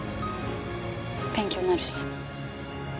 勉強になるし。